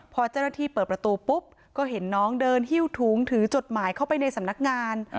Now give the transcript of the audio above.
พอเจ้าหน้าที่เปิดประตูปุ๊บก็เห็นน้องเดินหิ้วถุงถือจดหมายเข้าไปในสำนักงาน